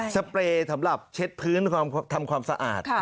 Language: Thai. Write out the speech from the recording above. เปรย์สำหรับเช็ดพื้นทำความสะอาด